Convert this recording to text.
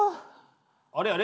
あれあれ？